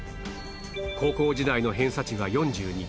高校時代の偏差値が４２